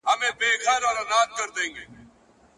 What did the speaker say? د خپلي ښې خوږي ميني لالى ورځيني هـېر سـو ـ